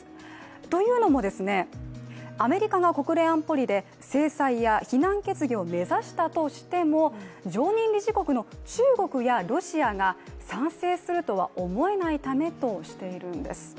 というのも、アメリカが国連安保理で制裁や非難決議を目指したとしても、常任理事国の中国やロシアが賛成するとは思えないためとしているんです。